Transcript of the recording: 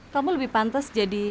kamu lebih pantas jadi